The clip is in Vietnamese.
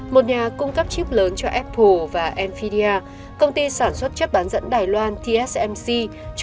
một nhà cung cấp chip lớn cho apple và nfinia công ty sản xuất chất bán dẫn đài loan tsmc